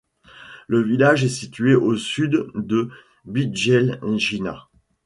Le village est situé au sud de Bijeljina.